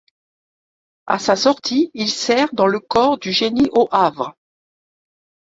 À sa sortie, il sert dans le corps du génie au Havre.